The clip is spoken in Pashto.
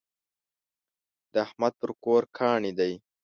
د احمد پر کور کاڼی دی.